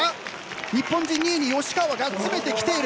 日本人２位に吉川が詰めてきている。